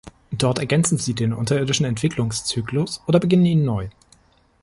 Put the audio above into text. Dort ergänzen sie den unterirdischen Entwicklungszyklus oder beginnen ihn neu.